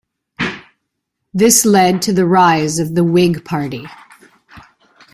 This led to the rise of the Whig Party.